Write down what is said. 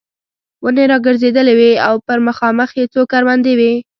ونې را ګرځېدلې وې او پر مخامخ یې څو کروندې وې.